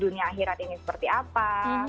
dunia akhirat ini seperti apa